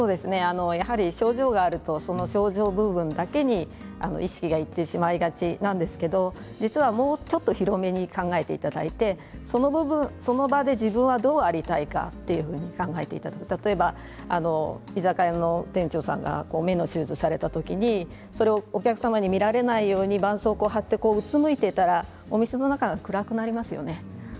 やはり症状があると症状部分だけに意識がいってしまいがちなんですけど実はもうちょっと広めに考えていただいてその部分その場で自分はどうありたいかというふうに考えていただく例えば居酒屋の店長さんが目の手術をされた時お客様に見られないようにばんそうこう貼ってうつむいていたらお店の中が暗くなりますよね。